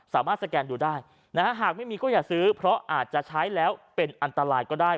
สามารถสแกนดูได้นะฮะหากไม่มีก็อย่าซื้อเพราะอาจจะใช้แล้วเป็นอันตรายก็ได้